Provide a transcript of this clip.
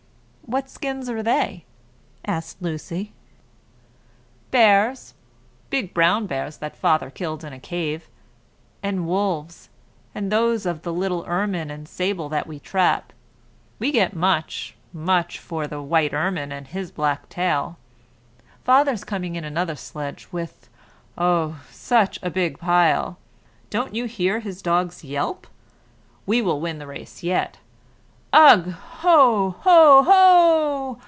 "What skins are they?" asked Lucy. "Bears' big brown bears that Father killed in a cave and wolves' and those of the little ermine and sable that we trap. We get much, much for the white ermine and his black tail. Father's coming in another sledge with, oh! such a big pile. Don't you hear his dogs yelp? We'll win the race yet! Ugh! hoo! hoo!